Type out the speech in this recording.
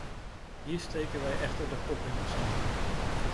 Hier steken wij echter de kop in het zand.